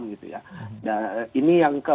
nah ini yang